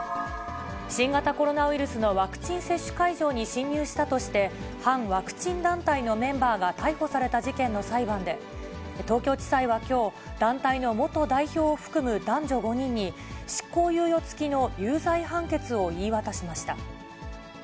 新型コロナウイルスのワクチン接種会場に侵入したとして、反ワクチン団体のメンバーが逮捕された事件の裁判で、東京地裁はきょう、団体の元代表を含む男女５人に、執行猶予付きの有罪判決を言い渡しました。